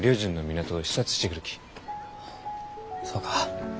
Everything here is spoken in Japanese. あそうか。